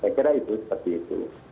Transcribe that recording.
saya kira itu seperti itu